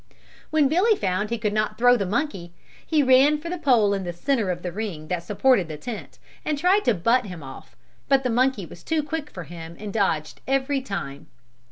When Billy found he could not throw the monkey, he ran for the pole in the center of the ring that supported the tent, and tried to butt him off but the monkey was too quick for him and dodged every time.